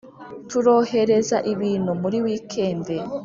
turohereza ibintu muri weekend